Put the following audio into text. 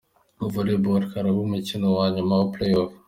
Volleyball, haraba umukino wa nyuma wa Playoff.